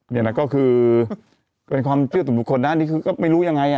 นี่น่ะก็คือเป็นความเตื้อตัวทุกคนนะนี่ก็ไม่รู้ยังไงอะ